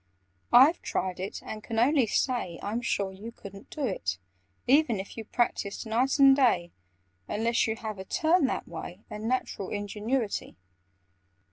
"I've tried it, and can only say I'm sure you couldn't do it, e ven if you practised night and day, Unless you have a turn that way, And natural ingenuity.